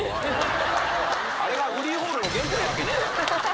あれがフリーフォールの原点なわけねぇだろ！